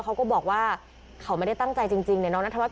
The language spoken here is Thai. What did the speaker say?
เขาก็บอกว่าเขาไม่ได้ตั้งใจจริงเนี่ยน้องนัทวั